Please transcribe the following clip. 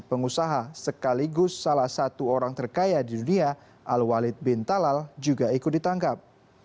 pengusaha sekaligus salah satu orang terkaya di dunia al walid bin talal juga ikut ditangkap